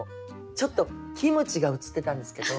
ちょっとキムチが写ってたんですけど。